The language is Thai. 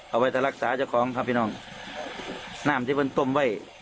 เอาไว้จะรักษาเจ้าของครับพี่น้องน้ำที่มันต้มไว้